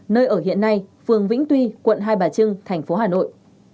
nơi ở hiện nay phường vĩnh tuy quận hai bà trưng thành phố hà nội